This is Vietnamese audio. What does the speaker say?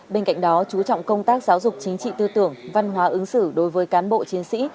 bên cạnh đó chú trọng công tác giáo dục chính trị tư tưởng văn hóa ứng xử đối với cán bộ chiến sĩ